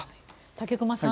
武隈さん